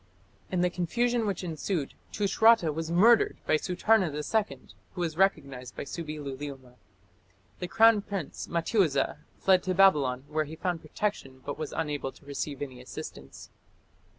In the confusion which ensued, Tushratta was murdered by Sutarna II, who was recognized by Subbi luliuma. The crown prince, Mattiuza, fled to Babylon, where he found protection, but was unable to receive any assistance.